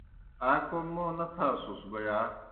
آ کوْم موں نہ تھاسُس بوْ یا؟